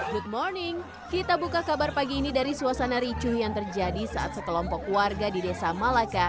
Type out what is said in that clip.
good morning kita buka kabar pagi ini dari suasana ricuh yang terjadi saat sekelompok warga di desa malaka